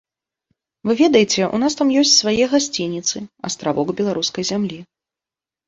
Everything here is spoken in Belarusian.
Вы ведаеце, у нас там ёсць свае гасцініцы, астравок беларускай зямлі.